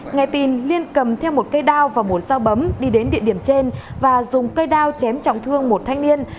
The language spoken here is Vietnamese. nghe tin liên cầm theo một cây đao và một sao bấm đi đến địa điểm trên và dùng cây đao chém trọng thương một thanh niên